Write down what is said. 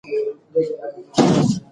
ماري کوري د لابراتوار وسایل پاک کړل.